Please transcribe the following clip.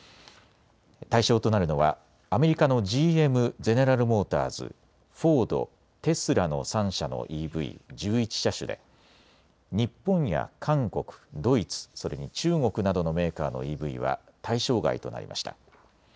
対象となるのはアメリカのＧＭ・ゼネラル・モーターズ、フォード、テスラの３社のＥＶ１１車種で日本や韓国、ドイツ、それに中国などのメーカーのＥＶは対象外となりました。